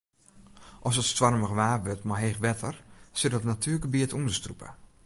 As it stoarmich waar wurdt mei heech wetter sil it natuergebiet ûnderstrûpe.